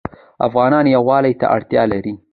افغانان یووالي ته اړتیا لري.